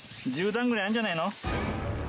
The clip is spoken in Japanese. １０段ぐらいあるんじゃないの。